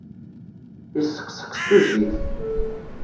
Yesseqseq s tujit.